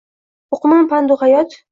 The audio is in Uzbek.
O’qimam pand u bayot.